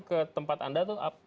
ke tempat anda itu apa